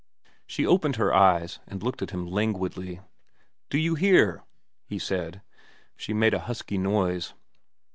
She opened her eyes and looked at him languidly. ' Do you hear ?' he said. She made a husky noise.